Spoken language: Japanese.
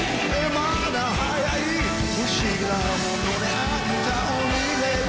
「まだ早い」「不思議なものねあんたを見れば」